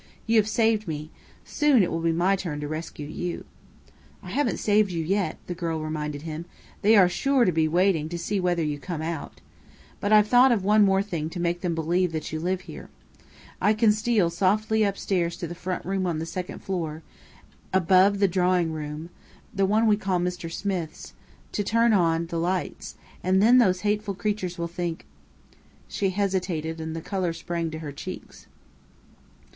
"You have saved me. Soon it will be my turn to rescue you." "I haven't saved you yet," the girl reminded him. "They are sure to be waiting to see whether you come out. But I've thought of one more thing to make them believe that you live here. I can steal softly upstairs to the front room on the second floor, above the drawing room the one we call 'Mr. Smith's' to turn on the lights, and then those hateful creatures will think ". She hesitated, and the colour sprang to her cheeks.